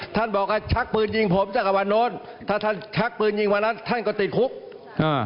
ท่านบอกว่าชักปืนยิงผมจักรวันโน้นถ้าท่านชักปืนยิงวันนั้นท่านก็ติดคุกอ่า